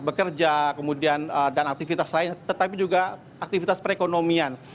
bekerja kemudian dan aktivitas lain tetapi juga aktivitas perekonomian